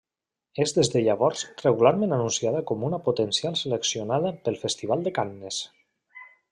És des de llavors regularment anunciada com una potencial seleccionada pel festival de Canes.